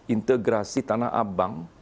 integrasi tanah abang